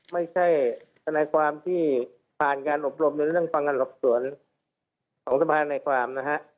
ไม่ใช่ทันายความที่ผ่านการอบรมในเรื่องพนักงานหลับสวนของสะพานายความนะฮะ